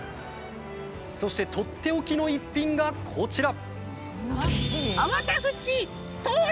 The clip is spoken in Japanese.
そしてとっておきの一品がこちら。